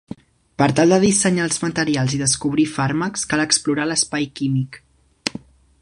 Per tal de dissenyar els materials i descobrir fàrmacs cal explorar l'espai químic.